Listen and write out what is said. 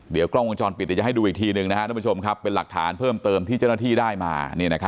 เดี๋ยวกล้องวงจรปิดจะให้ดูอีกทีหนึ่งเป็นหลักฐานเพิ่มเติมที่เจ้าหน้าที่ได้มา